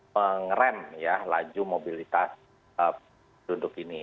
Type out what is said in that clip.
mengerem ya laju mobilitas penduduk ini